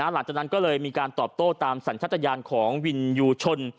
หลังจากนั้นก็เลยมีการตอบโต้ตามสัญชาติยานของวินยูชน